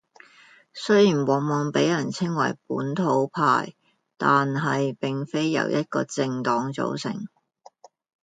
雖然往往畀人稱為「本土派」，但係並非由一個政黨組成